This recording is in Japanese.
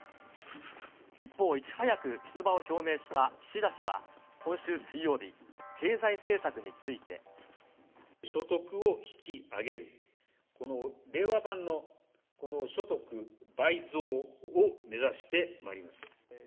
一方、いち早く出馬を表明した岸田氏は今週水曜日、経済政策について。所得を引き上げる、この令和版の、この所得倍増を目指してまいります。